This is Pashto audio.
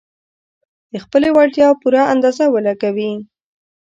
د خپلې وړتيا پوره اندازه ولګوي.